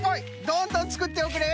どんどんつくっておくれ！